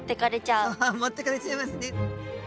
持ってかれちゃいますね。